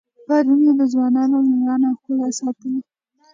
پرون یې د ځوانانو میړانې او ښکلا ستایلې.